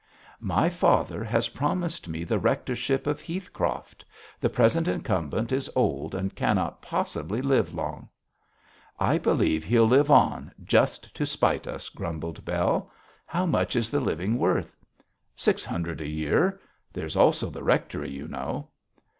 'My father has promised me the rectorship of Heathcroft. The present incumbent is old and cannot possibly live long.' 'I believe he'll live on just to spite us,' grumbled Bell. 'How much is the living worth?' 'Six hundred a year; there is also the rectory, you know.'